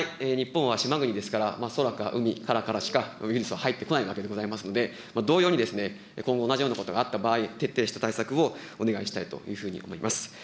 日本は島国ですから、空か、海からかしかウイルスは入ってこないわけでございますので、同様に、今後同じようなことがあった場合、徹底した対策をお願いしたいというふうに思います。